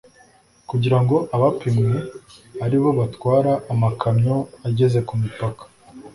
Kugira ngo abapimwe ari bo batwara amakamyo ageze ku mupaka.